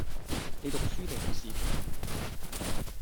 你讀書定讀屎片？